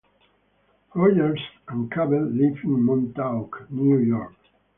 Rogers and Cavett live in Montauk, New York.